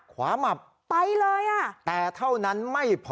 ก็ไม่ได้